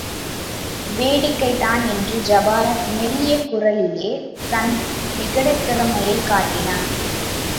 வேடிக்கைதான் என்று ஜபாரக் மெல்லிய குரலிலே தன் விகடத்திறமையைக் காட்டினான்.